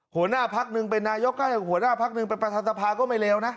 หัวหน้าภักดิ์นึงเป็นนายกก็อย่างหัวหน้าภักดิ์นึงเป็นประธานสภาก็ไม่เลวนะ